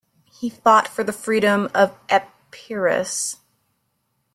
He fought for the freedom of Epirus.